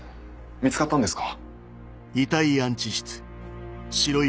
見つかったんですか？